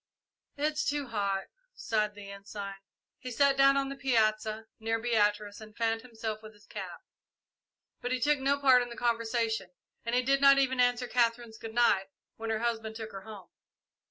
"It's too hot," sighed the Ensign. He sat down on the piazza, near Beatrice, and fanned himself with his cap; but he took no part in the conversation, and did not even answer Katherine's "good night" when her husband took her home.